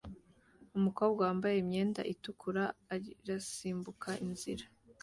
Umukobwa wambaye imyenda itukura irasimbuka inzira